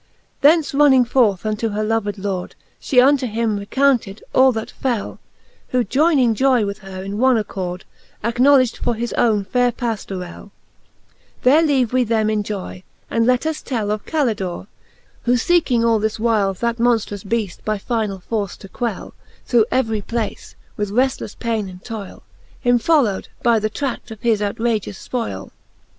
. XXII. Thence running forth unto her loved Lord, She unto him recounted all that fell : Who joyning joy with her in one accord, Acknowledg'd for his owne faire Pajlorell, There leave we them in joy, and let us tell Of Calidore, who feeking all this while That monftrous Beaft by finall force to quell, Through every place, with reftleffe paine and toile 'Him follow'd, by the trad: of his outragious fpoile.